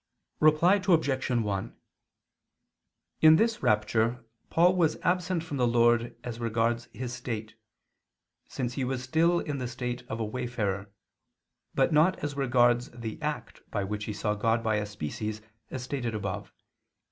Reply Obj. 1: In this rapture Paul was absent from the Lord as regards his state, since he was still in the state of a wayfarer, but not as regards the act by which he saw God by a species, as stated above (A.